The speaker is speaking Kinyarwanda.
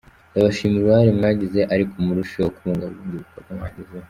Ndabashimira uruhare mwagize, ariko murusheho kubungabunga ibikorwa mwagezeho.